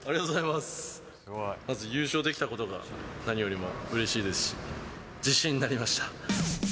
まず、優勝できたことが何よりもうれしいですし、自信になりました。